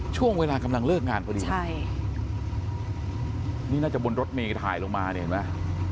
ช่วงเวลากำลังเลิกงานพอดีใช่นี่น่าจะบนรถเมย์ถ่ายลงมาเนี่ยเห็นไหม